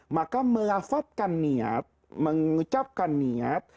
maka melafatkan niat mengucapkan niat